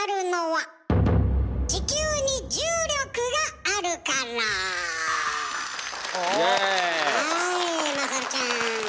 はい優ちゃん。